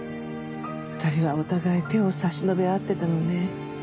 ２人はお互い手を差し伸べ合ってたのね。